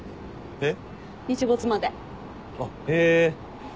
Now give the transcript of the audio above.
えっ？